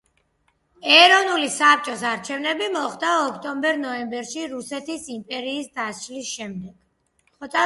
ეროვნული საბჭოს არჩევნები მოხდა ოქტომბერ-ნოემბერში რუსეთის იმპერიის დაშლის შემდეგ.